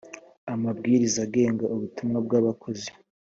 amabwiriza agenga ubutumwa bw abakozi